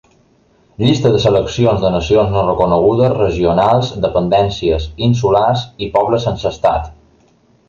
Llista de seleccions de nacions no reconegudes, regionals, dependències, insulars i pobles sense estat.